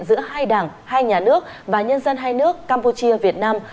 giữa hai đảng hai nhà nước và nhân dân hai nước campuchia việt nam